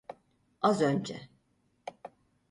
Az önce.